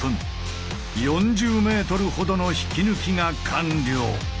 ４０ｍほどの引き抜きが完了。